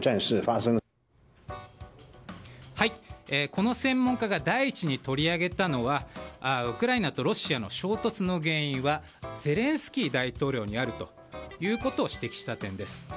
この専門家が第１に取り上げたのはウクライナとロシアの衝突の原因はゼレンスキー大統領にあるということを指摘した点です。